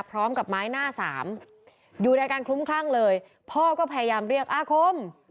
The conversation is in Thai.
พร้อมกับไม้หน้าสามอยู่ในอาการคลุ้มคลั่งเลยพ่อก็พยายามเรียกอาคม